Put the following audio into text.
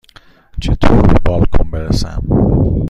چطور به بالکن برسم؟